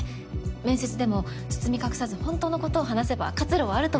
面接でも包み隠さず本当のことを話せば活路はあると思。